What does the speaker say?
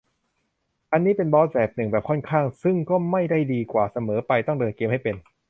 อันนี้เป็นบอสแบบหนึ่ง แบบค่อนข้าง ซึ่งก็ไม่ได้ดีกว่าเสมอไป ต้องเดินเกมให้เป็น